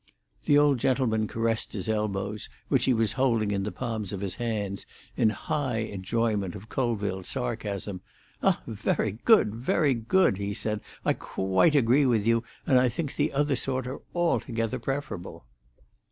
The old gentleman caressed his elbows, which he was holding in the palms of his hands, in high enjoyment of Colville's sarcasm. "Ah! very good! very good!" he said. "I quite agree with you, and I think the other sort are altogether preferable."